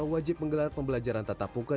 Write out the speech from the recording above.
wajib menggelar pembelajaran tatap muka